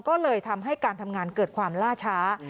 ก็เลยทำให้การทำงานเกิดความล่าช้า